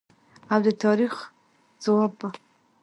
او د تاریخ ځواب به